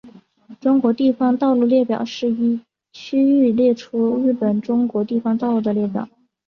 中国地方道路列表是依区域列出日本中国地方道路的列表。